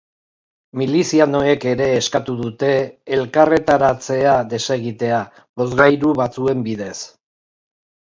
Milizianoek ere eskatu dute elkarretaratzea desegitea, bozgorailu batzuen bidez.